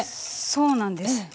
そうなんです。